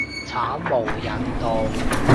慘無人道